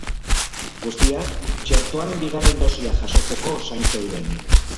Guztiak txertoaren bigarren dosia jasotzeko zain zeuden.